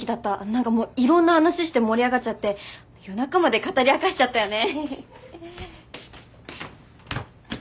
何かもういろんな話して盛り上がっちゃって夜中まで語り明かしちゃったよね。